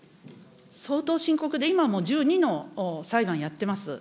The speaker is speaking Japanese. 相当深刻で、今も１２の裁判やってます。